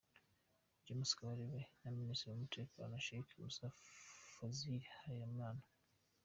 James Kabarebe na Minisitiri w’Umutekano, Sheick Musa Fazil Harelimana.